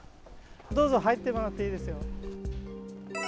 どうぞ入ってもらっていいですよ。